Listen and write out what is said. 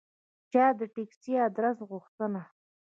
چا د تکسي آدرس غوښته.